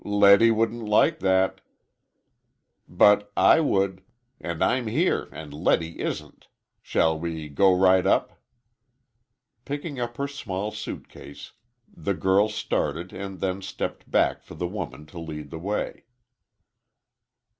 "Letty wouldn't like that." "But I would. And I'm here and Letty isn't. Shall we go right up?" Picking up her small suitcase, the girl started and then stepped back for the woman to lead the way.